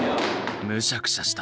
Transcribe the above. むしゃくしゃした。